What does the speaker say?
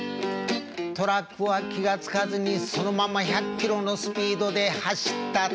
「トラックは気が付かずにそのまま１００キロのスピードで走った」